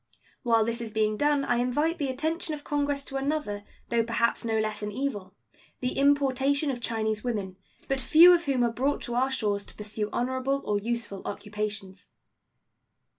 While this is being done I invite the attention of Congress to another, though perhaps no less an evil the importation of Chinese women, but few of whom are brought to our shores to pursue honorable or useful occupations.